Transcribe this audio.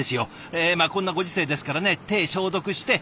ええまあこんなご時世ですからね手消毒して。